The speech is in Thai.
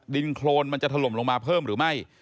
ดินโครนมันจะถล่มลงมาเพิ่มหรือไม่